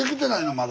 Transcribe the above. まだ。